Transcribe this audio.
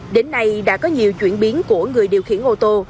đến nay đã có nhiều chuyển biến của người điều khiển ô tô